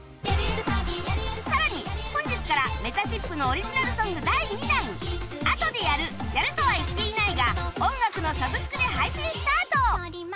更に本日からめたしっぷのオリジナルソング第２弾『あとでやる』が音楽のサブスクで配信スタート！